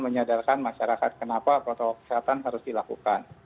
menyadarkan masyarakat kenapa protokol kesehatan harus dilakukan